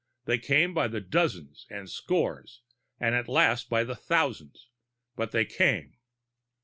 They came by the dozens and scores, and at last by the thousands; but they came.